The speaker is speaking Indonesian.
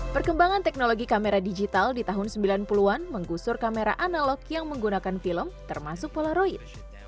perkembangan teknologi kamera digital di tahun sembilan puluh an menggusur kamera analog yang menggunakan film termasuk polaroid